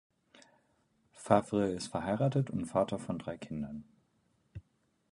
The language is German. Favre ist verheiratet und Vater von drei Kindern.